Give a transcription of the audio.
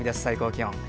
最高気温。